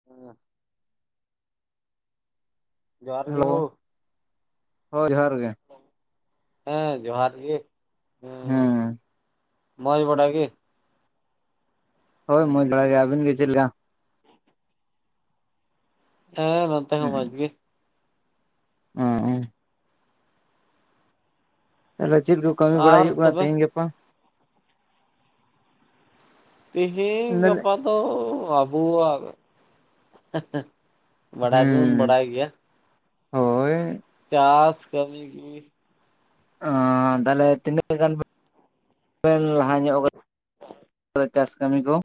[unintelligible] ᱡᱚᱸᱦᱟᱨ ᱜᱮ ‌ᱦᱳ ᱦᱮᱞᱳ ᱦᱳᱭ ᱡᱚᱦᱟᱨ ᱜᱮ ᱦᱮᱸ ᱡᱚᱦᱟᱨ ᱜᱮ ᱦᱮᱸ ᱦᱩᱸ ᱢᱚᱡᱽ ᱵᱟᱰᱟ ᱜᱮ? ᱦᱳᱭ ᱢᱚᱡᱽ ᱵᱟᱲᱟ ᱜᱮ᱾ ᱟᱹᱵᱤᱱ ᱜᱮ ᱪᱮ ᱞᱮᱠᱟ? ᱦᱮᱸ ᱱᱚᱛᱮ ᱦᱚᱸ ᱢᱚᱡᱽ ᱜᱮ᱾ ᱚ ᱛᱟᱦᱚᱞᱮ ᱪᱮᱫ ᱠᱚ ᱠᱟᱹᱢᱤ ᱵᱟᱲᱟᱭ ᱟᱨ ᱦᱩᱭᱩᱜ ᱠᱟᱱᱟ ᱛᱚᱵᱮ ᱛᱮᱦᱮᱧ ᱜᱟᱯᱟ? ᱛᱤᱦᱤᱧ ᱦᱮᱸ ᱜᱟᱯᱟ ᱫᱚ ᱟᱵᱚᱣᱟᱜ ᱵᱟᱰᱟᱭ ᱫᱚᱵᱚᱱ ᱵᱟᱰᱟᱭ ᱜᱮᱭᱟ ᱦᱳᱭ ᱪᱟᱥ ᱠᱟᱹᱢᱤ ᱜᱤ ᱚ ᱛᱟᱦᱚᱞᱮ ᱛᱤᱱᱟᱹᱜ ᱜᱟᱱ ᱵᱮᱱ ᱞᱟᱦᱟ ᱧᱚᱜ ᱪᱟᱥ ᱠᱟᱹᱢᱤ ᱠᱚ?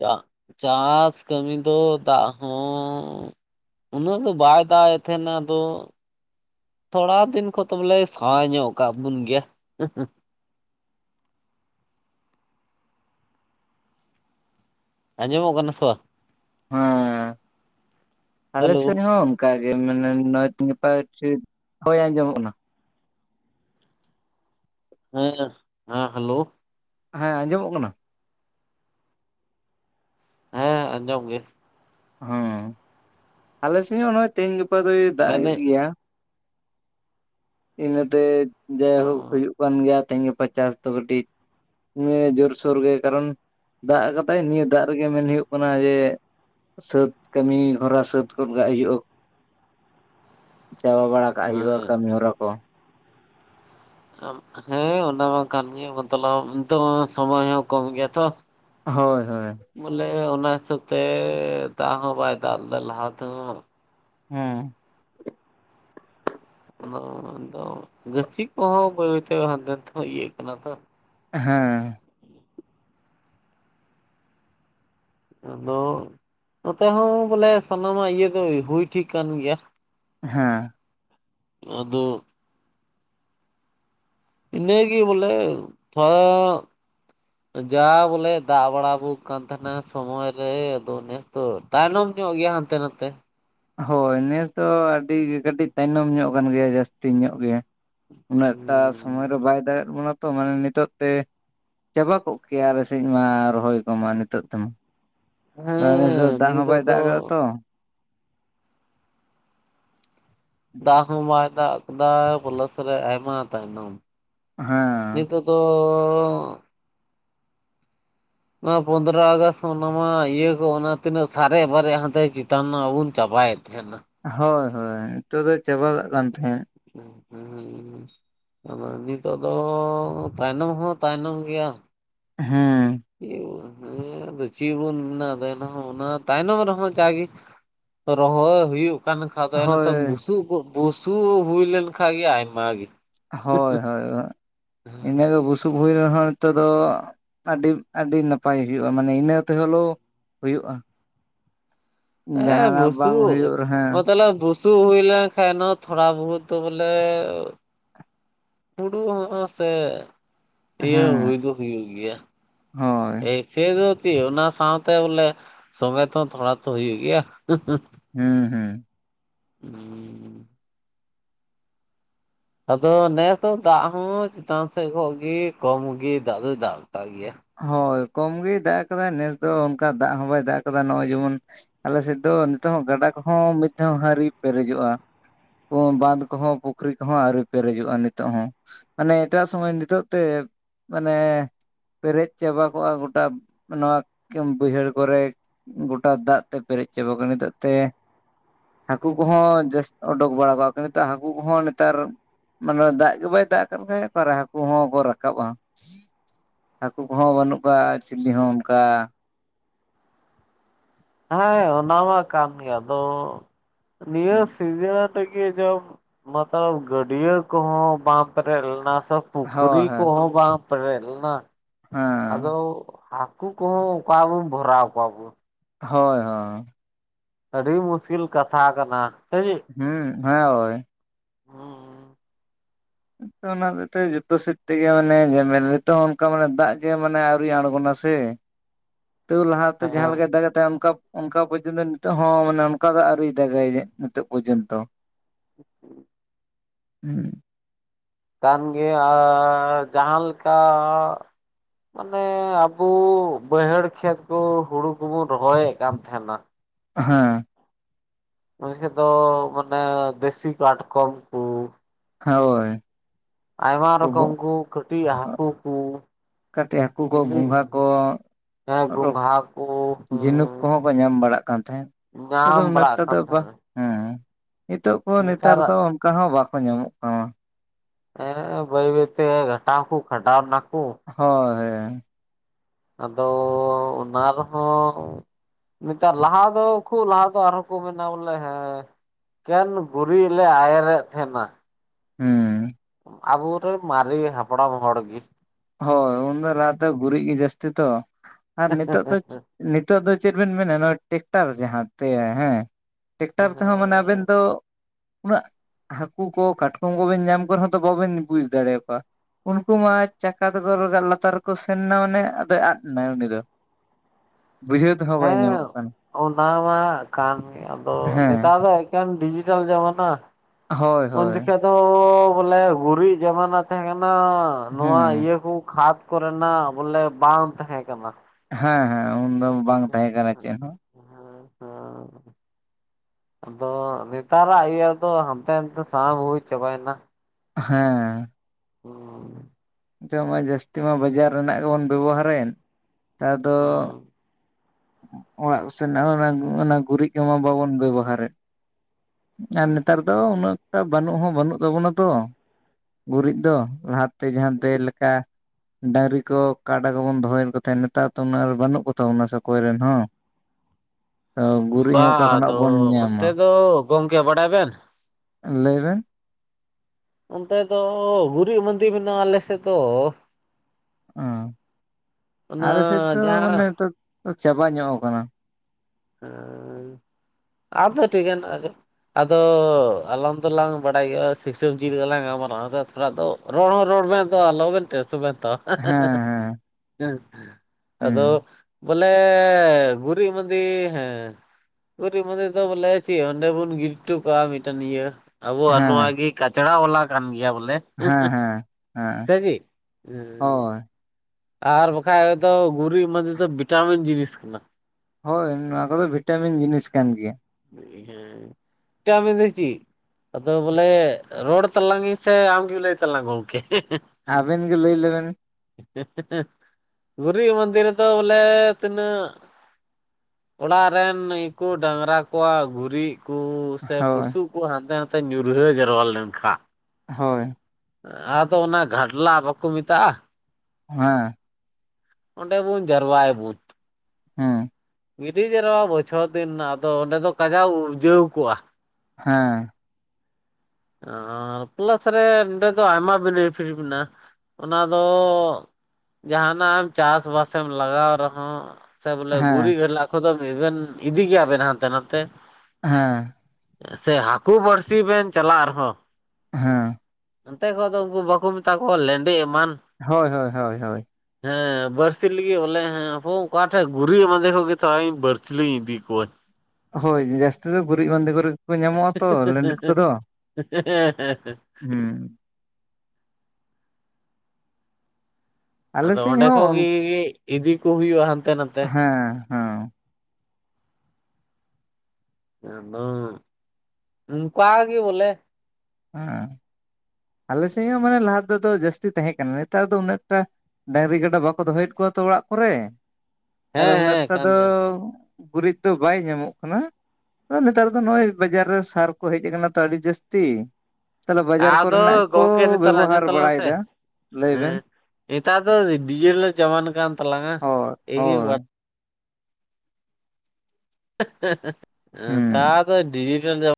ᱪᱟᱜ ᱪᱟᱥ ᱠᱟᱹᱢᱤ ᱫᱚ ᱫᱟᱜ ᱦᱚᱸ ᱩᱱᱟᱹᱜ ᱫᱚ ᱵᱟᱭ ᱫᱟᱜ ᱮᱫ ᱛᱟᱦᱮᱸᱱᱟ ᱟᱫᱚ ᱛᱷᱚᱲᱟ ᱫᱤᱱ ᱠᱚᱛᱚ ᱵᱚᱞᱮ ᱥᱟᱦ ᱧᱚᱜ ᱠᱟᱫ ᱵᱚᱱ ᱜᱮᱭᱟ᱾ ᱟᱸᱡᱚᱢᱚᱜ ᱠᱟᱱᱟ ᱥᱮ ᱵᱟ? ᱦᱮᱸ ᱟᱞᱮ ᱦᱮᱞᱳ ᱥᱮᱫ ᱦᱚᱸ ᱚᱱᱠᱟ ᱜᱮ ᱢᱟᱱᱮ ᱱᱚᱭ ᱛᱤᱦᱤᱧ ᱜᱟᱯᱟ ᱦᱳᱭ ᱟᱸᱡᱚᱢᱚᱜ ᱠᱟᱱᱟ ᱦᱮ ᱦᱟ ᱦᱟᱞᱳ ᱦᱮᱸ ᱟᱸᱡᱚᱢᱚᱜ ᱠᱟᱱᱟ? ᱦᱮᱸ ᱟᱸᱡᱚᱢ ᱜᱮ ᱚ ᱟᱞᱮ ᱥᱮᱫ ᱦᱚᱸ ᱱᱚᱜᱚᱭ ᱛᱮᱦᱮᱧ ᱜᱟᱯᱟ ᱫᱚᱭ ᱫᱟᱜ ᱮ ᱢᱮᱱᱫᱟᱹᱧ ᱜᱮᱭᱟ᱾ ᱤᱱᱟᱹᱛᱮ ᱡᱟᱭᱦᱳᱠ ᱦᱩᱭᱩᱜ ᱠᱟᱱ ᱜᱮᱭᱟ ᱛᱮᱦᱮᱧ ᱜᱟᱯᱟ ᱪᱟᱥ ᱫᱚ ᱠᱟᱹᱴᱤᱡ ᱱᱤᱭᱟᱹ ᱡᱳᱨᱥᱳᱨ ᱜᱮ ᱠᱟᱨᱚᱱ ᱫᱟᱜ ᱠᱟᱫᱟᱭ ᱱᱤᱭᱟᱹ ᱫᱟᱜ ᱨᱮᱜᱮ ᱢᱮᱱ ᱦᱩᱭᱩᱜ ᱠᱟᱱᱟ ᱡᱮ ᱥᱟᱹᱛ ᱠᱟᱹᱢᱤ ᱦᱚᱨᱟ ᱥᱟᱹᱛ ᱜᱚᱫ ᱠᱟᱜ ᱦᱩᱭᱩᱜᱼᱳ᱾ ᱪᱟᱵᱟ ᱵᱟᱲᱟ ᱠᱟᱜ ᱦᱩᱭᱩᱜᱼᱟ ᱦᱮᱸ ᱠᱟᱹᱢᱤ ᱦᱚᱨᱟ ᱠᱚ᱾ ᱦᱮᱸ ᱚᱱᱟᱢᱟ ᱠᱟᱱ ᱜᱮᱭᱟ ᱢᱚᱛᱞᱚᱵ ᱱᱤᱛᱚᱜ [unintelligible] ᱥᱚᱢᱚᱭ ᱦᱚᱸ ᱠᱚᱢ ᱜᱮᱭᱟ ᱛᱚ᱾ ᱦᱳᱭ ᱦᱳᱭ᱾ ᱵᱚᱞᱮ ᱚᱱᱟ ᱦᱤᱥᱟᱹᱵ ᱛᱮ ᱫᱟᱜ ᱦᱚᱸ ᱵᱟᱭ ᱫᱟᱜ ᱞᱮᱫᱟ ᱞᱟᱦᱟ ᱛᱮᱦᱚᱸ᱾ ᱦᱮᱸ᱾ ᱦᱚᱸ ᱟᱫᱚ ᱜᱟᱹᱪᱷᱤ ᱠᱚᱦᱚᱸ [unintelligible] ᱦᱟᱱᱛᱮ ᱱᱟᱛᱮ ᱦᱚᱸ ᱤᱭᱟᱹᱜ ᱠᱟᱱᱟ ᱛᱚ᱾ ᱦᱮᱸ᱾ ᱟᱫᱚ ᱱᱚᱛᱮ ᱦᱚᱸ ᱵᱚᱞᱮ ᱥᱟᱱᱟᱢᱟᱜ ᱤᱭᱟᱹ ᱫᱚ ᱦᱩᱭ ᱴᱷᱤᱠ ᱠᱟᱱ ᱜᱮᱭᱟ᱾ ᱦᱮᱸ᱾ ᱟᱫᱚ ᱤᱱᱟᱹ ᱜᱮ ᱵᱚᱞᱮ ᱛᱷᱚᱲᱟ ᱜᱟᱱᱚᱜ ᱡᱟ ᱵᱚᱞᱮ ᱫᱟᱜ ᱵᱟᱲᱟ [unintelligible] ᱠᱟᱱ ᱛᱟᱦᱮᱸᱱᱟ ᱥᱚᱢᱚᱭ ᱨᱮ ᱟᱫᱚ ᱱᱮᱥ ᱛᱚ ᱛᱟᱭᱱᱚᱢ ᱧᱚᱜ ᱜᱮᱭᱟ ᱦᱟᱱᱛᱮ ᱱᱟᱱᱛᱮ᱾ ᱦᱳᱭ ᱱᱮᱥ ᱫᱚ ᱟᱹᱰᱤ ᱠᱟᱹᱴᱤᱡ ᱛᱟᱭᱱᱚᱢ ᱧᱚᱜ ᱠᱟᱱ ᱜᱮᱭᱟ ᱡᱟᱹᱥᱛᱤ ᱧᱚᱜ ᱜᱮ᱾ ᱩᱱᱟᱹᱜ ᱮᱠᱴᱟ ᱥᱚᱢᱚᱭ ᱨᱮ ᱵᱟᱭ ᱫᱟᱜᱮᱫ ᱵᱚᱱᱟ ᱛᱚ ᱢᱟᱱᱮ ᱱᱤᱛᱚᱜ ᱛᱮ ᱪᱟᱵᱟ ᱠᱚᱜ ᱠᱮᱭᱟ ᱟᱞᱮ ᱥᱮᱫ ᱢᱟ ᱨᱚᱦᱚᱭ ᱠᱚᱢᱟ ᱱᱤᱛᱚᱜ ᱛᱮᱢᱟ᱾ ᱟᱨ ᱱᱮᱥ ᱫᱚ ᱦᱮᱸ ᱫᱟᱜ ᱦᱚᱸ ᱱᱤᱛᱚᱜ ᱵᱟᱭ ᱫᱚ ᱫᱟᱜ ᱠᱟᱫᱟ ᱛᱚ᱾ ᱫᱟᱜ ᱦᱚᱸ ᱵᱟᱭ ᱫᱟᱜ ᱟᱠᱟᱫᱟ [unintelligible] ᱨᱮ ᱟᱭᱢᱟ ᱛᱟᱭᱱᱚᱢ᱾ ᱦᱮᱸ᱾ ᱱᱩᱛᱚᱜ ᱫᱚᱻ ᱱᱚᱣᱟ ᱯᱚᱸᱫᱽᱨᱟ ᱟᱜᱚᱥᱴ ᱚᱱᱟ ᱢᱟ ᱤᱭᱟᱹ ᱠᱚ ᱚᱱᱟ ᱛᱤᱱᱟᱹᱜ ᱥᱟᱨᱮᱜ ᱵᱟᱨᱮᱜ ᱦᱟᱱᱛᱮ ᱪᱮᱛᱟᱱ ᱢᱟ ᱵᱚᱱ ᱪᱟᱵᱟᱭᱮᱫ ᱛᱟᱦᱮᱸᱱᱟ᱾ ᱦᱳᱭ ᱦᱳᱭ ᱱᱤᱛᱚᱜ ᱫᱚ ᱪᱟᱵᱟ ᱠᱟᱜ ᱠᱟᱱ ᱛᱟᱦᱮᱸᱫ᱾ [inaudible] ᱟᱵᱟᱨ ᱱᱤᱛᱚᱜ ᱫᱚ ᱛᱟᱭᱱᱚᱢ ᱦᱚᱸ ᱛᱟᱭᱱᱚᱢ ᱜᱮᱭᱟ᱾ ᱦᱮᱸ᱾ [inaudible] ᱦᱮᱸ ᱟᱫᱚ ᱪᱮᱫ ᱵᱚᱱ ᱢᱮᱱᱟ ᱮᱱᱦᱚᱸ ᱚᱱᱟ ᱛᱟᱭᱱᱚᱢ ᱨᱮᱦᱚᱸ ᱡᱟᱜᱮ ᱨᱚᱦᱚᱭ ᱦᱩᱭᱩᱜ ᱠᱟᱱ ᱦᱳᱭ [unintelligible] ᱵᱩᱥᱩᱵ ᱠᱚᱜ ᱵᱩᱥᱩᱵ ᱦᱩᱭ ᱞᱮᱱᱠᱷᱟᱱ ᱜᱮ ᱟᱭᱢᱟ ᱜᱮ᱾ ᱦᱳᱭ ᱦᱳᱭ ᱦᱳᱭ, ᱤᱱᱟᱹ ᱜᱮ ᱵᱩᱥᱩᱵ ᱦᱩᱭ ᱨᱮᱦᱚᱸ ᱱᱤᱛᱚᱜ ᱫᱚ ᱟᱰᱤ, ᱟᱰᱤ ᱱᱟᱯᱟᱭ ᱦᱩᱭᱩᱜᱼᱟ ᱢᱟᱱᱮ ᱤᱱᱟᱹ ᱛᱮᱦᱚᱞᱮ ᱦᱩᱭᱩᱜᱼᱟ᱾ ᱦᱮᱸ ᱡᱟᱦᱟᱱᱟᱜ ᱵᱟᱝ ᱵᱩᱥᱩᱵ ᱦᱩᱭᱩᱜ ᱨᱮᱦᱚᱸ ᱦᱚᱸ ᱛᱟᱦᱚᱞᱮ ᱵᱩᱥ ᱥᱩᱵ ᱦᱩᱭ ᱞᱮᱱ ᱠᱷᱟᱡ ᱱᱚ ᱛᱷᱚᱲᱟ ᱵᱚᱦᱩᱛ ᱫᱚ ᱵᱚᱞᱮ ᱦᱩᱲᱩ ᱦᱚᱸᱜ-ᱚ ᱥᱮ ᱤᱭᱟᱹ ᱦᱩᱭ ᱦᱮᱸ ᱫᱚ ᱦᱩᱭᱩᱜ ᱜᱮᱭᱟ, ᱦᱳᱭ [unintelligible] ᱫᱚ ᱪᱮᱫ ᱚᱱᱟ ᱥᱟᱶᱛᱮ ᱵᱚᱞᱮ, ᱥᱚᱸᱜᱮ ᱛᱮᱦᱚᱸ ᱛᱷᱚᱲᱟ ᱛᱚ ᱦᱩᱭᱩᱜ ᱜᱮᱭᱟ᱾ ᱦᱩᱸ ᱦᱩᱸ᱾ [inaudible] ᱟᱫᱚ ᱱᱮᱥ ᱫᱚ ᱫᱟᱜ ᱦᱚᱸ ᱪᱮᱛᱟᱱ ᱥᱮᱫ ᱠᱷᱚᱡ ᱜᱮ ᱠᱚᱢ ᱜᱮ ᱫᱟᱜ ᱫᱚ ᱫᱟᱜ ᱠᱟᱜ ᱜᱮᱭᱟ᱾ ᱦᱳᱭ ᱠᱚᱢ ᱜᱮᱭ ᱫᱟᱜ ᱟᱠᱟᱫᱟ ᱱᱮᱥ ᱫᱚ ᱚᱝᱠᱟ ᱫᱟᱜ ᱦᱚᱸ ᱵᱟᱭ ᱫᱟᱜ ᱟᱠᱟᱫᱟ ᱱᱚᱜᱼᱚᱭ ᱡᱮᱢᱚᱱ ᱟᱞᱮ ᱥᱮᱫ ᱫᱚ ᱱᱤᱛᱚᱜ ᱜᱟᱰᱟ ᱠᱚᱦᱚᱸ ᱢᱤᱫ ᱫᱷᱟᱣ [unintelligible] ᱟᱹᱣᱨᱤ ᱯᱮᱨᱮᱡᱚᱜᱼᱟ᱾ [unintelligible] ᱵᱟᱸᱫ ᱠᱚᱦᱚᱸ, ᱯᱩᱠᱷᱨᱤ ᱠᱚᱦᱚᱸ ᱟᱹᱣᱨᱤ ᱯᱮᱨᱮᱡᱚᱜᱼᱟ ᱱᱤᱛᱚᱜ ᱦᱚᱸ᱾ ᱢᱟᱱᱮ ᱮᱴᱟᱜ ᱥᱚᱢᱚᱭ ᱱᱤᱛᱚᱜ ᱛᱮ ᱢᱟᱱᱮ ᱯᱮᱨᱮᱡ ᱪᱟᱵᱟ ᱠᱚᱜᱼᱟ ᱜᱚᱴᱟ ᱱᱚᱣᱟ [inaudible] ᱵᱟᱹᱭᱦᱟᱹᱲ ᱠᱚᱨᱮ᱾ ᱜᱚᱴᱟ ᱫᱟᱜ ᱛᱮ ᱯᱮᱨᱮᱡ ᱪᱟᱵᱟ ᱠᱚᱣᱟ ᱱᱤᱛᱟᱜ ᱛᱮ, ᱦᱟᱹᱠᱩ ᱠᱚᱦᱚᱸ ᱡᱟᱹᱥᱛᱤ ᱚᱰᱚᱠ ᱵᱟᱲᱟ ᱠᱚᱜ ᱱᱤᱛᱚᱜ ᱦᱟᱹᱠᱩ ᱠᱚᱦᱚᱸ ᱱᱮᱛᱟᱨ, ᱢᱟᱱᱮ ᱫᱟᱜ ᱜᱮ ᱵᱟᱭ ᱫᱟᱜ ᱠᱟᱱ ᱠᱷᱟᱡ ᱦᱟᱹᱠᱩ ᱦᱚᱸᱠᱚ ᱨᱟᱠᱟᱵᱟᱼᱟ᱾ ᱦᱟᱹᱠᱩ ᱠᱚᱦᱚᱸ ᱵᱟᱹᱱᱩᱜ ᱠᱚᱣᱟ ᱟᱨ ᱪᱤᱞᱤ ᱦᱚᱸ ᱚᱱᱠᱟ᱾ ᱦᱮᱸ ᱚᱱᱟᱢᱟ ᱠᱟᱱ ᱜᱮᱭᱟ ᱟᱫᱚ ᱱᱤᱭᱟᱹ ᱨᱮᱜᱤ ᱡᱚ ᱢᱟᱛᱞᱟᱵ ᱜᱟᱹᱰᱭᱟᱹ ᱠᱚᱦᱚᱸ ᱵᱟᱝ ᱯᱮᱨᱮᱡ ᱞᱮᱱᱟ ᱥᱚ ᱦᱳᱭ ᱯᱩᱠᱷᱨᱤ ᱦᱳᱭ ᱠᱚᱦᱚᱸ ᱵᱟᱝ ᱯᱮᱨᱮᱡ ᱞᱮᱱᱟ ᱟᱫᱚ ᱦᱮᱸ ᱠᱩ ᱠᱚᱦᱚᱸ ᱚᱠᱟ ᱵᱚᱱ ᱵᱷᱚᱨᱟᱣ ᱠᱚᱣᱟᱵᱩᱱ᱾ ᱦᱳᱭ ᱦᱳᱭ᱾ ᱟᱹᱰᱤ ᱢᱩᱥᱠᱤᱞ ᱠᱟᱛᱷᱟ ᱠᱟᱱᱟ ᱾ ᱦᱩᱸ ᱦᱮᱸ ᱦᱳᱭ᱾ ᱦᱩᱸ᱾ ᱚᱱᱠᱟᱱᱟᱜ ᱢᱤᱫᱴᱮᱱ ᱡᱚᱛᱚ ᱥᱮᱫ ᱛᱮᱜᱮ ᱢᱟᱱᱮ ᱡᱮᱢᱮᱞ ᱱᱤᱛ ᱦᱚᱸ ᱚᱱᱠᱟ ᱢᱟᱱᱮ ᱫᱟᱜ ᱜᱮ ᱢᱟᱱᱮ ᱟᱹᱣᱨᱤ ᱟᱬᱜᱚᱱᱟ ᱥᱮ᱾ ᱛᱮ ᱛᱟᱹᱣ ᱞᱟᱦᱟᱛᱮ ᱪᱮᱫ ᱡᱟᱦᱟᱸ ᱦᱮᱸ ᱞᱮᱠᱟᱭ ᱫᱟᱜᱮᱫ ᱛᱟᱦᱮᱸ ᱚᱱᱠᱟ᱾ ᱚᱱᱠᱟ ᱯᱚᱡᱡᱚᱱᱛᱚ ᱱᱤᱛᱚᱜ ᱦᱚᱸ ᱢᱟᱱᱮ ᱚᱱᱠᱟ ᱫᱚ ᱟᱹᱣᱤᱭ ᱫᱟᱜᱟᱭ ᱡᱮ ᱱᱤᱛᱚᱜ ᱯᱚᱡᱡᱚᱱᱛᱚ᱾ [inaudible] ᱦᱩ᱾ ᱠᱟᱱᱜᱮ ᱟᱨ ᱡᱟᱦᱟᱸ ᱞᱮᱠᱟ᱾ ᱢᱟᱱᱮ ᱟᱵᱩ ᱵᱟᱹᱭᱦᱟᱹᱲ ᱠᱷᱮᱛ ᱠᱩ ᱦᱩᱲᱩ ᱠᱩ ᱵᱚᱱ ᱨᱚᱦᱚᱭᱮᱫ ᱠᱟᱱ ᱛᱟᱦᱮᱸᱱᱟ᱾ ᱦᱮᱸ᱾ ᱢᱮᱥᱠᱮ ᱫᱚ ᱢᱟᱱᱮ ᱫᱮᱥᱤ ᱠᱟᱴᱠᱚᱢ ᱠᱩ᱾ ᱦᱳᱭ᱾ ᱟᱭᱢᱟ ᱨᱚᱠᱚᱢ ᱠᱩ ᱠᱟᱹᱴᱤᱡ ᱦᱟᱹᱠᱩ ᱠᱩ᱾ ᱠᱟᱹᱴᱤᱡ ᱦᱟᱹᱠᱩ ᱠᱚ ᱜᱚᱝᱜᱷᱟ ᱠᱚ᱾ ᱦᱮᱸ ᱳᱜ ᱜᱚᱸᱜᱷᱟ ᱠᱚ ᱡᱷᱤᱱᱩᱠ ᱠᱚᱦᱚᱸ ᱠᱚ ᱧᱟᱢ ᱵᱟᱲᱟᱜ ᱠᱟᱱ ᱛᱟᱦᱮᱸᱫ᱾ ᱱᱮᱛᱟᱨ ᱫᱚ ᱧᱟᱢ ᱵᱟᱲᱟᱜ ᱚᱱᱮᱠᱴᱟ ᱫᱚ ᱠᱟᱱ ᱵᱟᱝ᱾ ᱛᱟᱦᱮᱸᱱᱟ ᱦᱩᱸ ᱱᱤᱛᱚᱜ ᱠᱚ ᱱᱮᱛᱟᱨ ᱫᱚ ᱱᱮᱛᱟᱨᱟᱜ ᱚᱱᱠᱟ ᱦᱚᱸ ᱵᱟᱠᱚ ᱧᱟᱢᱚᱜ ᱠᱟᱱᱟ᱾ ᱦᱮᱸ ᱵᱟᱹᱭ ᱵᱟᱹᱭ ᱛᱮ ᱜᱷᱟᱴᱟᱣ ᱠᱚ ᱠᱷᱟᱸᱰᱟᱣ ᱱᱟᱠᱩ᱾ ᱦᱳᱭ᱾ ᱟᱫᱚ ᱚᱱᱟ ᱨᱮᱦᱚᱸ᱾ ᱱᱮᱛᱟᱨ ᱞᱟᱦᱟ ᱫᱚ ᱠᱷᱩ ᱞᱟᱦᱟ ᱫᱚ ᱟᱨᱦᱚᱸ ᱠᱚ ᱢᱮᱱᱟ ᱵᱚᱞᱮ ᱦᱮᱸ᱾ ᱮᱠᱮᱱ ᱜᱩᱨᱤᱡ ᱞᱮ ᱟᱶᱮᱨᱮᱫ ᱛᱟᱦᱮᱱᱟ᱾ ᱦᱩᱸ᱾ ᱟᱵᱩ ᱨᱮᱱ ᱢᱟᱨᱮ ᱦᱟᱯᱲᱟᱢ ᱦᱚᱲ ᱜᱤ᱾ ᱦᱳᱭ ᱩᱱᱫᱟᱨᱟ ᱛᱮ ᱜᱩᱨᱤᱡ ᱜᱤ ᱡᱟᱹᱥᱛᱤ ᱛᱚ ᱟᱨ ᱱᱤᱛᱳᱜ ᱛᱚ ᱱᱤᱛᱚᱜ ᱫᱚ ᱪᱮᱫ ᱵᱮᱱ ᱢᱮᱱᱟ ᱱᱚᱣᱟ ᱴᱮᱠᱴᱟᱨ ᱡᱟᱦᱟᱸ ᱛᱮ ᱦᱮᱸ᱾ ᱴᱮᱠᱴᱟᱨ ᱪᱟᱸᱦᱟ ᱢᱟᱱᱮ ᱟᱵᱮᱱ ᱦᱮᱸ ᱫᱚ, ᱩᱱᱟᱹᱜ ᱦᱟᱹᱠᱩ ᱠᱚ ᱠᱟᱴᱠᱚᱢ ᱠᱚᱵᱮᱱ ᱧᱟᱢ ᱠᱚ ᱨᱮᱦᱚᱸ ᱛᱚ ᱵᱟᱵᱮᱱ ᱵᱩᱡᱽ ᱫᱟᱲᱮᱭᱟᱠᱚᱣᱟ᱾ ᱩᱱᱠᱩ ᱢᱟ᱾ ᱪᱟᱠᱟ ᱫᱚ ᱜᱚᱨᱜᱟᱞ ᱞᱟᱛᱟᱨ ᱨᱮᱠᱚ ᱥᱮᱱᱱᱟ ᱢᱟᱱᱮ ᱟᱫᱚᱭ ᱟᱫ ᱮᱱᱟᱭ ᱩᱱᱤ ᱫᱚ᱾ ᱵᱩᱡᱷᱟᱹᱣ ᱫᱚᱦᱚ᱾ ᱦᱮᱸ ᱚᱱᱟ ᱢᱟ ᱠᱟᱱ ᱜᱮ ᱟᱫᱚ ᱦᱮᱸ ᱱᱮᱛᱟᱨ ᱫᱚ᱾ ᱞᱮᱱ ᱰᱤᱡᱤᱴᱟᱞ ᱡᱟᱢᱟᱱᱟ ᱦᱳᱭ ᱩᱱ ᱦᱳᱭ ᱡᱚᱠᱷᱮᱡ᱾ ᱛᱚ ᱵᱚᱞᱮ ᱜᱩᱨᱤᱡ ᱡᱟᱢᱟᱱᱟ ᱛᱟᱦᱮᱸ ᱠᱟᱱᱟ ᱱᱚᱣᱟ ᱦᱮᱸ ᱤᱭᱟᱹ ᱠᱩ ᱠᱷᱟᱛ ᱠᱚᱨᱮᱱᱟᱜ ᱵᱚᱞᱮ ᱵᱟᱝ ᱛᱟᱦᱮᱸ ᱠᱟᱱᱟ᱾ ᱦᱮᱸ ᱦᱮᱸ ᱩᱱᱫᱚ ᱵᱟᱝ ᱛᱟᱦᱮᱸ ᱠᱟᱱᱟ ᱪᱮᱫ ᱦᱚᱸ᱾ ᱦᱮᱸ ᱦᱮᱸ᱾ ᱟᱫᱚ ᱱᱮᱛᱟᱨᱟᱜ ᱤᱭᱟᱹ ᱫᱚ ᱦᱟᱱᱛᱮ ᱱᱟᱱᱛᱮ ᱥᱟᱦᱟᱢ ᱦᱩᱭ ᱪᱟᱵᱟᱭᱱᱟ᱾ ᱦᱮᱸ᱾ ᱦᱩᱸ᱾ ᱱᱤᱛᱚᱜ ᱢᱟ ᱡᱟᱹᱥᱛᱤ ᱢᱟ ᱵᱟᱡᱟᱨ ᱨᱮᱱᱟᱜ ᱜᱮᱵᱚᱱ ᱵᱮᱵᱚᱦᱟᱨᱮᱫ᱾ ᱛᱟᱨ ᱫᱚ ᱚᱲᱟᱜ ᱥᱮᱱᱟᱜ ᱦᱚᱸ ᱱᱟᱜ ᱚᱱᱟ ᱜᱩᱨᱤᱡ ᱠᱚᱢᱟ ᱵᱟᱵᱚᱱ ᱵᱮᱵᱚᱦᱟᱨᱮᱫ᱾ ᱟᱨ ᱱᱮᱛᱟᱨ ᱫᱚ ᱩᱱᱟᱹᱜ ᱮᱴᱟᱜ ᱵᱟᱹᱱᱩᱜ ᱦᱚᱸ ᱵᱟᱹᱱᱩᱜ ᱛᱟᱵᱚᱱᱟ ᱛᱚ᱾ ᱜᱩᱨᱤᱡ ᱫᱚ ᱞᱟᱦᱟᱛᱮ ᱡᱟᱦᱟᱸ ᱛᱮ ᱞᱮᱠᱟ ᱰᱟᱝᱨᱤ ᱠᱚ, ᱠᱟᱰᱟ ᱠᱚ ᱵᱚᱱ ᱫᱚᱦᱚᱭᱮᱫ ᱠᱚ ᱛᱟᱦᱮᱸᱫ᱾ ᱱᱮᱛᱟᱨ ᱛᱚ ᱚᱱᱟᱹᱜ ᱟᱨ ᱵᱟᱹᱱᱩᱜ ᱠᱚ ᱛᱟᱵᱚᱱᱟ ᱥᱮ ᱚᱠᱚᱭᱨᱮᱱ ᱦᱚᱸ᱾ ᱛᱚ ᱜᱩᱨᱤᱡ ᱵᱟ ᱦᱚᱸ ᱚᱠᱟ ᱠᱷᱚᱱᱟᱜ ᱟᱫᱚ ᱵᱚᱱ ᱚᱱᱛᱮ ᱧᱟᱢᱟ? ᱫᱚ ᱜᱚᱝᱠᱮ ᱵᱟᱰᱟᱭ ᱵᱮᱱ ᱞᱟᱹᱭ ᱵᱮᱱ᱾ ᱚᱱᱛᱮ ᱫᱚ ᱜᱩᱨᱤᱡ ᱵᱟᱺᱫᱤ ᱢᱮᱱᱟᱜ-ᱟ ᱟᱞᱮᱥᱮᱫ ᱫᱚ᱾ ᱚᱸ ᱚᱱᱟ ᱟᱞᱮ ᱥᱮᱫ ᱫᱚ ᱢᱟᱱᱮ ᱡᱟᱦᱟᱸ ᱱᱤᱛᱚ ᱪᱟᱵᱟ ᱧᱚᱜ ᱟᱠᱟᱱᱟ᱾ ᱦᱳᱭ᱾ ᱟᱫᱚ ᱴᱷᱤᱠᱮᱱ ᱟᱡᱮ ᱟᱫᱚ ᱟᱞᱟᱝ ᱫᱚᱞᱟᱝ ᱵᱟᱰᱟᱭ ᱜᱮᱭᱟ ᱥᱤᱥᱟᱹᱵ ᱡᱤᱞ ᱜᱮᱞᱟᱝ ᱜᱟᱞᱢᱟᱨᱟᱣ ᱫᱟ᱾ ᱛᱷᱚᱨᱟ ᱟᱫᱚ ᱨᱚᱲ ᱦᱚᱸ ᱨᱚᱲ ᱵᱮᱱ ᱟᱛᱚ ᱟᱞᱚᱵᱮᱱ ᱴᱮᱱᱥᱮᱱᱵᱮᱱ ᱦᱟᱛᱟᱣᱟ ᱦᱮᱸ [unintelligible] ᱦᱮᱸ [inaudible] ᱟᱫᱚ ᱦᱩᱸ ᱵᱚᱞᱮ ᱜᱩᱨᱤᱡ ᱢᱟᱺᱫᱤ ᱦᱮᱸ᱾ ᱜᱩᱨᱤᱡ ᱢᱟᱺᱫᱮ ᱫᱚ ᱵᱚᱞᱮ ᱪᱮᱜᱽ ᱚᱸᱰᱮ ᱵᱚᱱ ᱜᱤ-ᱴᱚ ᱠᱟᱜ-ᱟ ᱢᱤᱫᱴᱟᱱ ᱤᱭᱟᱹ, ᱟᱵᱚᱣᱟᱜ ᱱᱚᱶᱟ ᱦᱮᱸ ᱜᱮ ᱠᱟᱪᱲᱟ ᱵᱟᱞᱟ ᱠᱟᱱ ᱜᱮᱭᱟ ᱵᱚᱞᱮ ᱦᱮᱸ [unintelligible] ᱦᱮᱸ ᱦᱮᱸ ᱥᱮ ᱠᱤ᱾ ᱦᱩᱸ᱾ ᱦᱳᱭ ᱟᱨ ᱵᱟᱠᱷᱟᱡ ᱫᱚ ᱜᱩᱨᱤᱡ ᱢᱟᱫᱮ ᱫᱚ ᱵᱷᱤᱴᱟᱢᱤᱱ ᱡᱤᱱᱤᱥ ᱠᱟᱱᱟ᱾ ᱦᱳᱭ ᱱᱚᱣᱟ ᱠᱚᱫᱚ ᱵᱷᱤᱴᱟᱢᱤᱱ ᱡᱤᱱᱤᱥ ᱠᱟᱱ ᱜᱮᱭᱟ᱾ ᱦᱮᱸ ᱵᱷᱤᱴᱟᱢᱤᱱ ᱫᱚ ᱪᱤᱫ? ᱟᱫᱚ ᱵᱚᱞᱮ ᱨᱚᱲ ᱛᱟᱞᱟᱝᱧᱤᱧ ᱥᱮ ᱟᱢᱜᱮᱢ ᱞᱟᱹᱭ ᱛᱟᱞᱟᱝ ᱜᱚᱢᱠᱮ [unintelligible] ᱟᱵᱮᱱ ᱜᱮ ᱞᱟᱹᱭ ᱞᱮᱵᱮᱱ᱾ [unintelligible] ᱜᱩᱨᱤᱡ ᱢᱟᱸᱫᱮ ᱨᱮᱫᱚ ᱵᱚᱞᱮ ᱛᱤᱱᱟᱹᱜ ᱚᱲᱟᱜ ᱨᱮᱱ ᱠᱩ ᱰᱟᱝᱨᱟ ᱠᱚᱣᱟᱜ ᱜᱩᱨᱤᱡ ᱠᱩ ᱥᱮ ᱦᱳᱭ ᱵᱩᱥᱩᱵ ᱠᱚ ᱦᱟᱱᱛᱮ ᱱᱟᱛᱮ ᱧᱩᱨᱦᱟᱹ ᱡᱟᱨᱣᱟ ᱞᱮᱱ ᱠᱷᱟ᱾ ᱦᱳᱭ᱾ ᱟᱫᱚ ᱚᱱᱟ ᱜᱷᱟᱴᱞᱟᱜ ᱵᱟᱠᱚ ᱢᱮᱛᱟᱜᱼᱟ᱾ ᱦᱮᱸ᱾ ᱚᱸᱰᱮ ᱵᱚᱱ ᱡᱟᱨᱣᱟᱭᱟᱵᱚᱱ᱾ ᱦᱩᱸ᱾ ᱜᱤᱴᱤᱡ ᱡᱮᱨᱣᱟ ᱵᱚᱪᱷᱚᱨ ᱫᱤᱱ ᱨᱮᱱᱟᱜ ᱟᱫᱚ ᱚᱸᱰᱮ ᱫᱚ ᱠᱟᱡᱟᱣ ᱩᱨᱡᱟᱹᱣ ᱠᱚᱜᱼᱟ᱾ ᱦᱮᱸ᱾ ᱟᱨ ᱯᱚᱞᱟᱥ ᱨᱮ ᱱᱚᱸᱰᱮ ᱫᱚ ᱟᱭᱢᱟ ᱵᱮᱤᱯᱷᱤᱴ ᱢᱮᱱᱟᱜᱼᱟ᱾ ᱚᱱᱟ ᱫᱚ ᱡᱟᱦᱟᱱᱟᱜ ᱮᱢ ᱪᱟᱥ ᱵᱟᱥᱮᱢ ᱞᱟᱜᱟᱣ ᱨᱮᱦᱚᱸ ᱥᱮ ᱵᱚᱞᱮ ᱦᱮᱸ ᱜᱩᱨᱤᱡ ᱜᱮᱞᱟ ᱠᱚᱫᱚ ᱢᱮ ᱵᱮᱱ ᱤᱫᱤ ᱜᱮᱭᱟ ᱵᱮᱱ ᱦᱟᱱᱛᱮ ᱱᱟᱛᱮ᱾ ᱦᱮᱸ᱾ ᱥᱮ ᱦᱟᱠᱩ ᱵᱟᱹᱲᱥᱤ ᱵᱮᱱ ᱪᱟᱞᱟᱜ ᱨᱮᱦᱚᱸ ᱦᱮᱸ᱾ ᱚᱱᱛᱮ ᱠᱚ ᱟᱫᱚ ᱩᱱᱠᱩ ᱵᱟᱠᱚ ᱢᱮᱛᱟ ᱠᱚᱣᱟ ᱞᱮᱸᱰᱮᱡ ᱮᱢᱟᱱ᱾ ᱦᱳᱭ ᱦᱳᱭ ᱦᱳᱭ ᱦᱳᱭ᱾ ᱦᱮᱸ ᱵᱟᱨᱥᱤ ᱞᱟᱹᱜᱤᱫ ᱵᱚᱞᱮ ᱦᱮᱸ ᱦᱚ ᱚᱠᱟ ᱴᱷᱮᱡᱽ ᱜᱩ ᱜᱩᱨᱤᱡ ᱢᱟᱫᱮ ᱠᱷᱚᱡᱽ ᱜᱮᱛᱚ ᱟᱸᱧ ᱵᱟᱹᱲᱤ ᱞᱤᱧ ᱤᱫᱤ ᱠᱚᱣᱟ ᱦᱳᱭ ᱡᱟᱹᱥᱛᱤ ᱫᱚ ᱜᱩᱨᱤᱡ ᱵᱟᱸᱫᱮ ᱠᱚᱨᱮᱜ ᱠᱚ ᱧᱟᱢᱚᱜᱼᱟ ᱛᱚ ᱞᱮᱸᱰᱮᱛ ᱠᱚᱫᱚ᱾ ᱦᱩᱸᱻ ᱟᱞᱮ ᱟᱫᱚ ᱥᱮᱫ ᱚᱸᱰᱮ ᱦᱚᱸ ᱠᱷᱚᱡ ᱚᱱ ᱜᱤ ᱤᱫᱤ ᱠᱚ ᱦᱩᱭᱩᱜᱼᱟ ᱦᱟᱱᱛᱮ ᱱᱟᱛᱮ᱾ ᱦᱚᱸᱻ ᱟᱸᱫᱚ ᱱᱚᱝᱠᱟ ᱜᱮ ᱵᱚᱞᱮ ᱦᱮᱸ ᱟᱞᱮ ᱥᱮᱫ ᱦᱚᱸ ᱢᱟᱱᱮ ᱞᱟᱦᱟ ᱛᱮᱫᱚ ᱡᱟᱹᱥᱛᱤ ᱛᱟᱦᱮᱸ ᱠᱟᱱᱟ ᱱᱮᱛᱟᱨ ᱫᱚ ᱩᱱᱟᱹᱜ ᱴᱟ ᱰᱟᱹᱭᱨᱤ ᱠᱟᱰᱟ ᱵᱟᱠᱚ ᱫᱚᱦᱚᱭᱮᱫ ᱠᱚᱣᱟ ᱛᱚ ᱚᱲᱟᱜ ᱠᱚᱨᱮ ᱛᱟᱦᱞᱮ ᱦᱮᱸ ᱩᱱᱟᱹᱜ ᱦᱮᱸ ᱴᱟ ᱠᱟᱱ ᱫᱚ ᱜᱮᱭᱟᱢ ᱜᱩᱨᱤᱡ ᱫᱚ ᱵᱟᱭ ᱧᱟᱢᱚᱜ ᱠᱟᱱᱟ, ᱱᱮᱛᱟᱨ ᱫᱚ ᱱᱚᱜ-ᱚᱭ ᱵᱟᱡᱟᱨ ᱨᱮ ᱥᱟᱨ ᱠᱚ ᱦᱮᱡ ᱟᱠᱟᱱᱟ ᱛᱚ ᱟᱹᱰᱤ ᱡᱟᱹᱥᱛᱤ ᱛᱟᱦᱚᱞᱮ ᱵᱟᱡᱟᱨ ᱟᱫᱚ ᱠᱚᱨᱮᱱᱟᱜ ᱠᱚ ᱜᱚᱝᱠᱮ ᱱᱮᱛᱟᱨ ᱟᱸᱡᱚᱢ ᱵᱮᱵᱚᱦᱟᱨ ᱛᱟᱞᱟᱝ ᱢᱮᱥᱮ ᱵᱟᱲᱟᱭᱮᱫᱟ ᱞᱟᱹᱭ ᱵᱮᱱ ᱱᱮᱛᱟᱨ ᱫᱚ ᱰᱤᱡᱮᱴ ᱡᱟᱵᱟᱱ ᱠᱟᱱ ᱛᱟᱞᱟᱝ-ᱟ ᱦᱳᱭ ᱮᱠᱤᱼᱼ ᱦᱳᱭ ᱦᱮᱜ-ᱮᱜ ᱦᱩᱸ ᱛᱟ ᱫᱚ ᱰᱤᱡᱤᱴᱟᱞ ᱡᱟᱼᱼ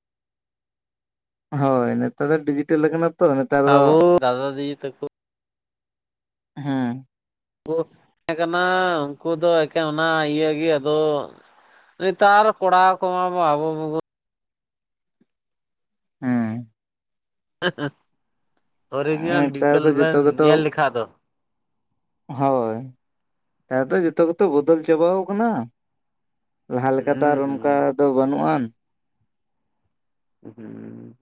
ᱦᱚᱭ ᱱᱮᱛᱟᱨ ᱫᱚ ᱰᱤᱡᱤᱴᱮᱞ ᱠᱟᱱᱟ ᱛᱚ ᱱᱮᱛᱟᱨ ᱫᱚ ᱟᱵᱚ ᱫᱟᱫᱟ ᱫᱤᱫᱤ ᱛᱟᱠᱚ ᱦᱮᱸ [inaudible] ᱛᱟᱦᱮᱸ ᱠᱟᱱᱟ ᱩᱱᱠᱩ ᱫᱚ ᱮᱠᱮᱱ ᱚᱱᱟ ᱤᱭᱟᱹ ᱜᱮ ᱟᱫᱚ ᱱᱮᱛᱟᱨ ᱠᱚᱲᱟ ᱠᱚᱢᱟ ᱟᱵᱚ ᱵᱚᱼᱼᱼ ᱦᱮᱸ ᱚᱨᱤᱡᱤᱱᱟᱞ ᱱᱮᱛᱟᱨ ᱰᱤᱡᱴᱮᱞ ᱫᱚ ᱵᱮᱱ ᱡᱚᱛᱚ ᱜᱮᱛᱚ ᱧᱮᱞ ᱞᱮᱠᱷᱟᱱ ᱫᱚ ᱦᱳᱭ ᱦᱮᱛᱚ ᱡᱚᱛᱚ ᱠᱚᱛᱚ ᱵᱚᱫᱚᱞ ᱪᱟᱵᱟ ᱠᱟᱱᱟ ᱞᱟᱦᱟ ᱞᱮᱠᱟ ᱛᱚ ᱦᱩᱸ ᱟᱨ ᱚᱱᱠᱟ ᱦᱩᱸ ᱫᱚ ᱵᱟᱹᱱᱩᱜ ᱟᱱ [inaudible]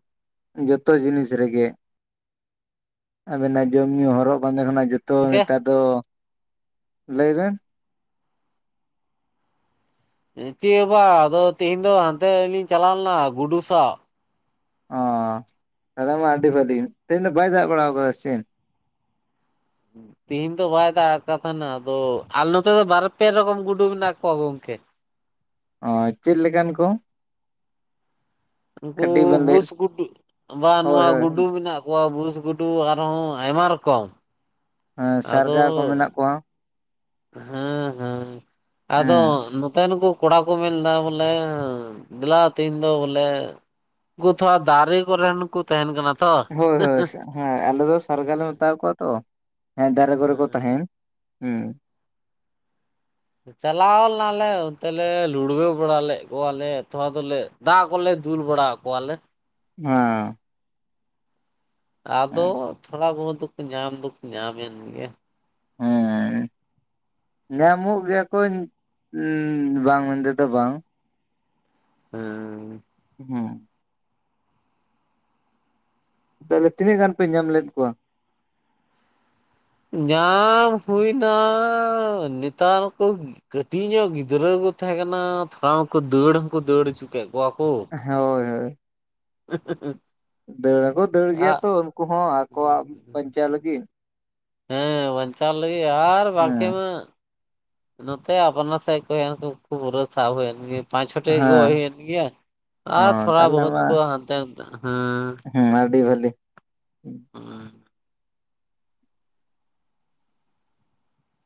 ᱡᱚᱛᱚ ᱡᱤᱱᱤᱥ ᱨᱮᱜᱮ ᱟᱵᱮᱱᱟᱜ ᱡᱚᱢ ᱧᱩ ᱦᱚᱨᱚᱜ ᱵᱟᱸᱫᱮ ᱠᱷᱚᱱᱟᱜᱚ ᱡᱚᱼᱼᱼ ᱛᱚ ᱜᱚᱝᱠᱮ ᱱᱮᱛᱟᱨ ᱫᱚ ᱞᱟᱹᱭ ᱵᱮᱱ ᱪᱮᱫ ᱵᱟ ᱟᱫᱚ ᱛᱮᱦᱤᱧ ᱫᱚ ᱦᱟᱱᱛᱮ ᱞᱤᱧ ᱪᱟᱞᱟᱣ ᱞᱮᱱᱟ ᱜᱩᱰᱩ ᱥᱟᱵ ᱚ ᱛᱟᱦᱚᱞᱮ ᱢᱟ ᱟᱰᱤ ᱵᱷᱟᱜᱤ ᱛᱮᱦᱮᱧ ᱫᱚ ᱵᱟᱭ ᱫᱟᱜ ᱵᱟᱲᱟ ᱠᱟᱜ‌ ᱟᱭ ᱥᱮᱪᱮᱜ ᱛᱤᱦᱤᱧ ᱫᱚ ᱵᱟᱭ ᱫᱟᱜ ᱠᱟᱫᱟ ᱱᱟ ᱟᱫᱚ ᱟᱞ ᱱᱚᱛᱮ ᱫᱚ ᱵᱟᱨᱯᱮ ᱨᱚᱠᱚᱢ ᱜᱩᱰᱩ ᱢᱮᱱᱟᱜ ᱠᱚᱣᱟ ᱜᱚᱢᱠᱮ ᱚ ᱪᱮᱫ ᱞᱮᱠᱟᱱ ᱠᱚ ᱩᱱᱠᱩ ᱠᱟᱹᱴᱤᱡ ᱵᱮᱱ ᱞᱟᱹᱭ ᱵᱩᱥ ᱜᱩᱰᱩ ᱵᱟ ᱦᱳᱭ ᱱᱚᱣᱟ ᱦᱳᱭ ᱜᱩᱰᱩ ᱢᱮᱱᱟᱜ ᱣᱟᱜ ᱵᱩᱥ ᱜᱩᱰᱩ ᱟᱨᱦᱚᱸ ᱟᱭᱢᱟ ᱨᱚᱠᱚᱢ ᱦᱮ ᱥᱟᱨᱜᱟ ᱠᱚ ᱢᱮᱱᱟᱜ ᱠᱚᱣᱟ ᱦᱩᱸ ᱦᱩᱸ ᱟᱫᱚ ᱦᱮᱸ ᱱᱚᱛᱮ ᱱᱩᱠᱩ ᱠᱚᱲᱟ ᱠᱚ ᱢᱮᱱ ᱮᱫᱟ ᱵᱚᱞᱮ ᱫᱮᱞᱟ ᱛᱮᱦᱮᱧ ᱫᱚ ᱵᱚᱞᱮ ᱩᱱᱠᱩ ᱛᱚ ᱟᱨ ᱫᱟᱨᱮ ᱠᱚᱨᱮᱱ ᱠᱚ ᱛᱟᱦᱮᱱ ᱠᱟᱱᱟ ᱛᱚ ᱦᱳᱭ ᱦᱳᱭ ᱦᱮᱸ ᱟᱞᱮ ᱫᱚ ᱥᱟᱨᱜᱟᱞᱮ ᱢᱮᱛᱟ ᱠᱚᱣᱟ ᱛᱚ ᱦᱮᱸ ᱫᱟᱨᱮ ᱠᱚᱨᱮ ᱠᱚ ᱛᱟᱦᱮᱱ ᱦᱩᱸ ᱪᱟᱞᱟᱣ ᱞᱮᱱᱟᱞᱮ ᱚᱱᱛᱮ ᱞᱮ ᱞᱩᱲᱵᱟᱹ ᱵᱟᱲᱟ ᱞᱮᱫ ᱠᱚᱣᱟᱞᱮ ᱛᱷᱚᱲᱟ ᱫᱚᱞᱮ ᱫᱟᱜ ᱠᱚᱞᱮ ᱫᱩᱞ ᱵᱟᱲᱟ ᱠᱚᱣᱟᱞᱮ [unintelligible] ᱟᱫᱚ ᱛᱷᱚᱲᱟ ᱵᱚᱦᱩᱫ ᱫᱚᱠᱚ ᱧᱟᱢ ᱫᱚᱠᱚ ᱧᱟᱢᱮᱱ ᱜᱮ ᱦᱮᱸ [inaudible] ᱧᱟᱢᱚᱜ ᱜᱮᱭᱟ ᱠᱚ ᱩᱸᱻ ᱵᱟᱝ ᱢᱮᱱ ᱛᱮᱫᱚ ᱫᱚ ᱵᱟᱝ ᱦᱮᱸ ᱦᱩᱸ ᱛᱟᱦᱚᱞᱮ ᱛᱤᱱᱟᱹᱜ ᱜᱟᱱ ᱯᱮ ᱧᱟᱢ ᱞᱮᱫ ᱠᱚᱣᱟ? ᱧᱟᱢ ᱦᱩᱭᱱᱟ ᱱᱮᱛᱟᱨ ᱠᱚ ᱠᱟᱹᱴᱤᱡ ᱧᱚᱜ ᱜᱤᱫᱽᱨᱟᱹ ᱠᱚ ᱛᱟᱦᱮᱸ ᱠᱟᱱᱟ ᱛᱷᱚᱲᱟ ᱢᱟᱠᱚ ᱫᱟᱹᱲ ᱦᱚᱸᱠᱚ ᱫᱟᱹᱲ ᱩᱪᱩ ᱠᱮᱫ ᱠᱚᱣᱟ ᱠᱚ ᱦᱳᱭ ᱦᱳᱭ ᱩᱩᱸᱩ ᱦᱩᱸ ᱫᱟᱹᱲᱟ ᱦᱚᱸᱠᱚ ᱫᱟᱹᱲ ᱜᱮᱭᱟ ᱛᱚ ᱩᱱᱠᱩ ᱦᱚᱸ ᱟᱠᱚᱣᱟᱜ ᱵᱟᱧᱪᱟᱣ ᱞᱟᱹᱜᱤᱫ ᱦᱮᱸ ᱵᱟᱧᱪᱟᱣ ᱞᱟᱹᱜᱤᱫ ᱟᱨ ᱵᱟᱨᱯᱮ ᱦᱮᱸ ᱢᱟ ᱱᱚᱛᱮ ᱟᱯᱱᱟ ᱥᱟᱭ ᱠᱚ ᱠᱷ ᱠᱷᱩᱵ ᱯᱩᱨᱟᱹ ᱥᱟᱵ ᱦᱩᱭ ᱮᱱᱜᱮ ᱯᱟᱸᱪ ᱪᱷᱚᱴᱤ ᱦᱮᱸ ᱜᱚᱡ ᱦᱩᱭᱮᱱ ᱜᱮᱭᱟ ᱚ ᱟᱨ ᱛᱷᱚᱲᱟ ᱵᱚᱦᱩᱛ ᱠᱚ ᱦᱟᱱᱛᱮ ᱱᱟᱛᱮ ᱦᱮᱸ ᱦᱩᱸ ᱟᱹᱰᱤ ᱵᱷᱟᱞᱤ ᱦᱩᱸ